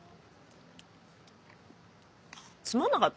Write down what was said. つまんなかった？